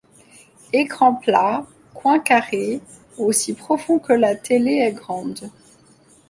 Écran plat, coins carrés, aussi profond que la télé est grande.